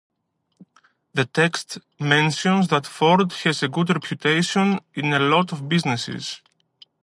The text mentions that Ford has a good reputation in a lot of businesses.